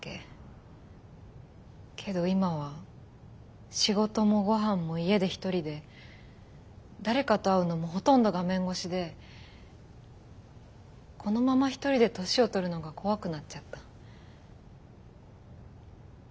けど今は仕事もごはんも家で一人で誰かと会うのもほとんど画面越しでこのまま一人で年を取るのが怖くなっちゃった。